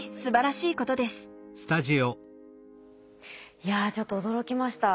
いやちょっと驚きました。